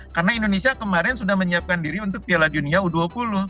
karena indonesia kemarin sudah menyiapkan diri untuk piala dunia u dua puluh